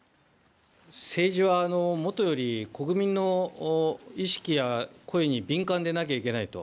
政治はもとより、国民の意識や声に敏感でなきゃいけないと。